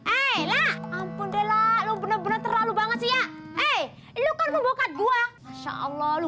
eh ampun della lu bener bener terlalu banget iya eh lu kan pembukaan gua masya allah lu